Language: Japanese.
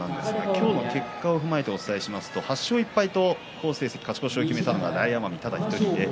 今日の結果を踏まえてお伝えしますと８勝１敗と好成績なのが大奄美ただ１人です。